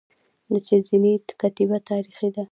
د چهل زینې کتیبه تاریخي ده